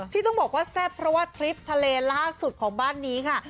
ที่ต้องบอกว่าแซ่บเพราะว่าทริปทะเลล่าสุดของบ้านนี้ค่ะ